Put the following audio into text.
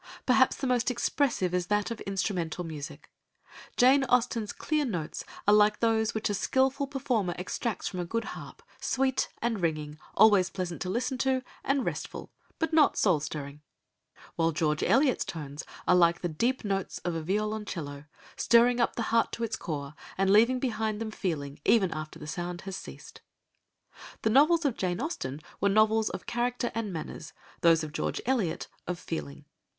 Perhaps the most expressive is that of instrumental music: Jane Austen's clear notes are like those which a skilful performer extracts from a good harp, sweet and ringing, always pleasant to listen to, and restful, but not soul stirring; while George Eliot's tones are like the deep notes of a violoncello, stirring up the heart to its core, and leaving behind them feeling even after the sound has ceased. The novels of Jane Austen were novels of character and manners, those of George Eliot of feeling.